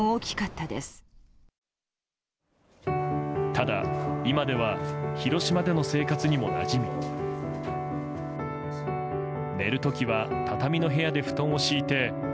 ただ、今では広島での生活にもなじみ寝る時は畳の部屋で布団を敷いて。